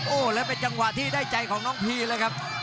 โอ้โหแล้วเป็นจังหวะที่ได้ใจของน้องพีเลยครับ